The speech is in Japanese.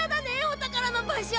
お宝の場所。